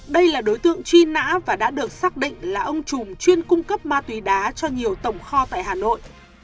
đây là đối tượng truy nã và đã được xác định là ông chùm chuyên cung cấp ma túy đá cho nhiều tổng kho tại hà nội